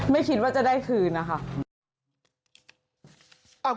ไม่คิดว่าจะได้คืนนะคะ